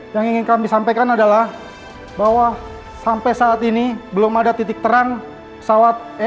yang ingin kami sampaikan adalah bahwa sampai saat ini belum ada titik terang pesawat ea tiga ratus tujuh puluh empat